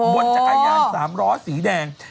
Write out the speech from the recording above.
บนจักรยานสามร้อสีแดง